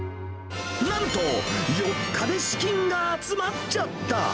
なんと、４日で資金が集まっちゃった。